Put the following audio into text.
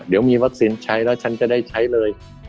เดี๋ยวมีวัคซีนใช้แล้วฉันจะได้ใช้เลย